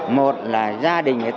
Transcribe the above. một là gia đình